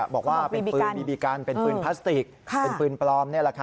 บอกว่าเป็นปืนบีบีกันเป็นปืนพลาสติกเป็นปืนปลอม